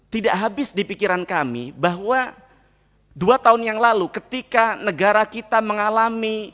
tidak habis di pikiran kami bahwa dua tahun yang lalu ketika negara kita mengalami